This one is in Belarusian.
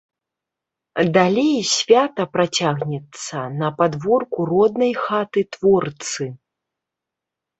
Далей свята працягнецца на падворку роднай хаты творцы.